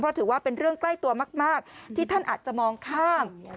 ถือว่าเป็นเรื่องใกล้ตัวมากที่ท่านอาจจะมองข้าม